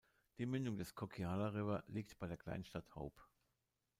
Die Mündung des Coquihalla River liegt bei der Kleinstadt Hope.